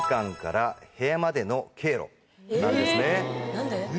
何で？